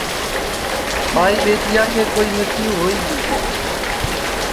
ٻائی ٻیٹیا کے کوئی مرتیو ہوئی گی